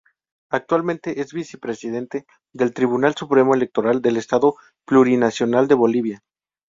Actualmente es Vicepresidente del Tribunal Supremo Electoral del Estado Plurinacional de Bolivia.